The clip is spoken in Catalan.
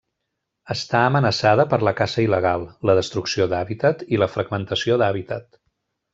Està amenaçada per la caça il·legal, la destrucció d'hàbitat i la fragmentació d'hàbitat.